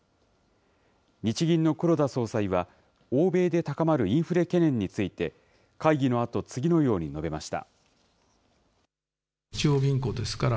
日銀の黒田総裁は、欧米で高まるインフレ懸念について、会議のあと、次のように述べました。